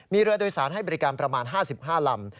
มีเรือโดยสารให้บริการประมาณ๕๕ลำ